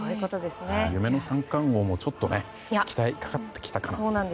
夢の三冠王も期待がかかってきたかなと。